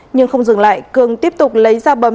nhưng không dừng lại cường tiếp tục lấy dao bấm